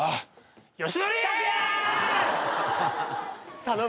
頼む。